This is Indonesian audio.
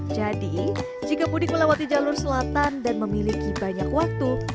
jadi jika mudik melewati jalur selatan dan memiliki banyak waktu